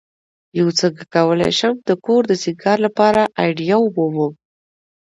uڅنګه کولی شم د کور د سینګار لپاره آئیډیا ومومم